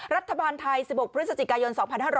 รัฐบาลไทย๑๖พฤศจิกายน๒๕๖๐